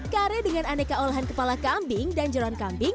kare dengan aneka olahan kepala kambing dan jeruan kambing